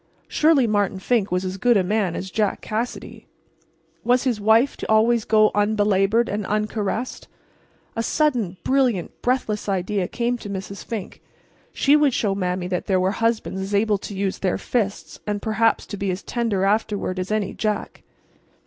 Surely Martin Fink was as good a man as Jack Cassidy. Was his wife to go always unbelabored and uncaressed? A sudden, brilliant, breathless idea came to Mrs. Fink. She would show Mame that there were husbands as able to use their fists and perhaps to be as tender afterward as any Jack.